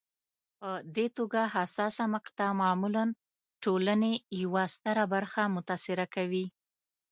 په دې توګه حساسه مقطعه معمولا ټولنې یوه ستره برخه متاثره کوي.